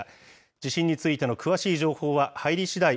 地震についての詳しい情報は入りしだい